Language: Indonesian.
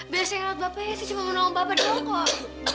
biasanya ngelak bapak ya sih cuma mau nolong bapak doang kok